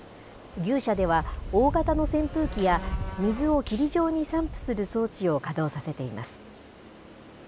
牛舎では大型の扇風機や、水を霧状に散布する装置を稼働させています。